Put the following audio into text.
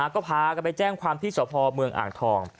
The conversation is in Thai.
ก็พากันไปแจ้งความที่สพเมืองอ่างทอง